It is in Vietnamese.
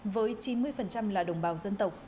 với chín mươi là đồng bào dân tộc